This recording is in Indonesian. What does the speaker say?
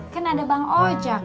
kan ada bang ojak